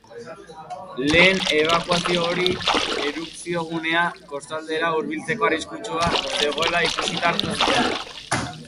Lehen ebakuazio hori erupziogunea kostaldera hurbiltzeko arriskua zegoela ikusita hartu zuten.